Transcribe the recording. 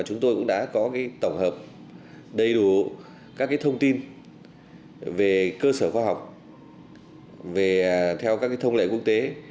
chúng tôi cũng đã có tổng hợp đầy đủ các thông tin về cơ sở khoa học theo các thông lệ quốc tế